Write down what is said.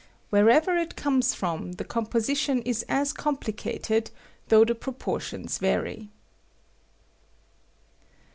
Wherever it comes from, the com position is as complicated, though the propor tions vary.